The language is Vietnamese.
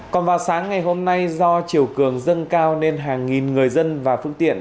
còn vào sáng ngày hôm nay do chiều cường dâng cao nên hàng nghìn người dân và phương tiện